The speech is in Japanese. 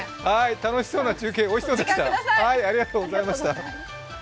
楽しそうな中継おいしそうでした。